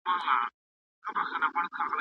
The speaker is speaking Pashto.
هغه نظریات چي ابن خلدون ورکړي دقیق دي.